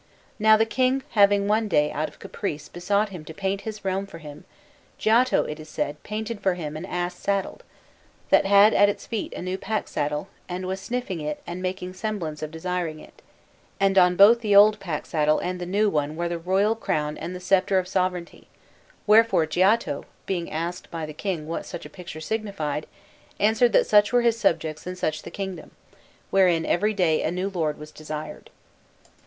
Now the King having one day out of caprice besought him to paint his realm for him, Giotto, so it is said, painted for him an ass saddled, that had at its feet a new pack saddle, and was sniffing at it and making semblance of desiring it; and on both the old pack saddle and the new one were the royal crown and the sceptre of sovereignty; wherefore Giotto, being asked by the King what such a picture signified, answered that such were his subjects and such the kingdom, wherein every day a new lord was desired.